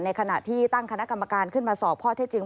ขณะที่ตั้งคณะกรรมการขึ้นมาสอบข้อเท็จจริง